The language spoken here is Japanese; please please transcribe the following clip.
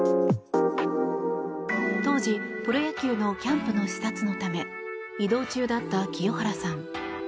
当時プロ野球のキャンプの視察のため移動中だった清原さん。